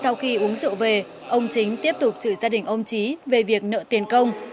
uống rượu về ông chính tiếp tục chửi gia đình ông chí về việc nợ tiền công